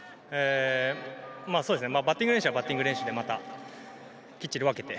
バッティング練習はバッティング練習できっちり分けて。